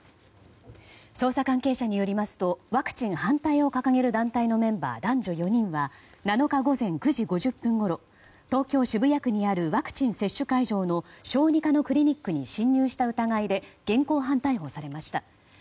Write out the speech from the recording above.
捜査関係者によりますとワクチン反対を掲げる団体のメンバー男女４人は７日午前９時５０分ごろ東京・渋谷区にあるワクチン接種会場の小児科のクリニックに侵入した疑いで現行犯逮捕されました。